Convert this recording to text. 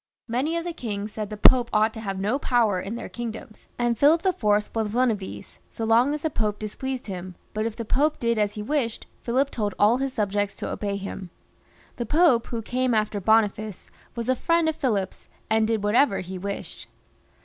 Many of the kings said the Pope ought to have no power in their kingdoms, and Philip IV. was one of these, so long as the Pope displeased him, but if the Pope did as he wished, Philip told all his subjects to obey him. The Pope who came after Boniface was a friend of Philip's, and did whatever he wished.